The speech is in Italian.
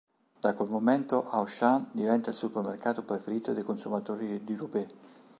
Da quel momento Auchan diventa il supermercato preferito dai consumatori di Roubaix.